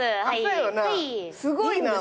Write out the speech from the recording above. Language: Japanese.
すごいな。